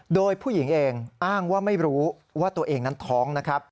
โดยผู้หญิงเองอ้างไม่รู้ตัวเองนั้นท้อง